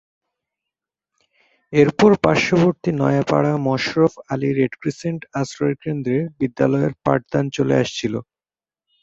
এরপর পার্শ্ববর্তী নয়াপাড়া মশরফ আলী রেডক্রিসেন্ট আশ্রয়কেন্দ্রে বিদ্যালয়ের পাঠদান চলে আসছিল।